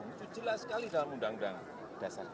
itu jelas sekali dalam undang undang dasar